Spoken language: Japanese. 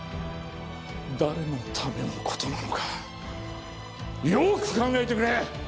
誰のためのことなのかよく考えてくれ！